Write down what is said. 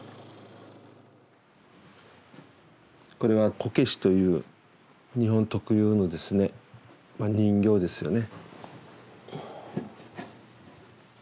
これは「こけし」という日本特有の人形ですよね。